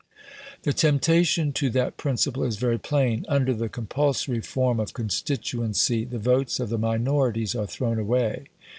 The temptation to that principle is very plain. Under the compulsory form of constituency the votes of the minorities are thrown away.